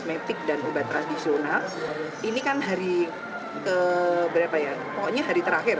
pameran industri kosmetik dan obat tradisional ini kan hari keberapa ya pokoknya hari terakhir